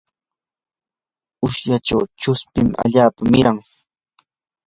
usyachaw chuspin allaapa miran.